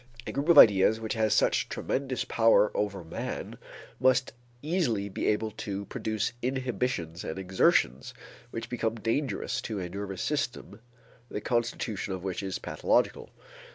A group of ideas which has such tremendous power over man must easily be able to produce inhibitions and exertions which become dangerous to a nervous system the constitution of which is pathological.